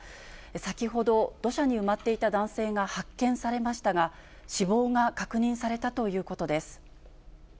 先ほど土砂に埋まっていた男性が発見されましたが、死亡が確認されたということです。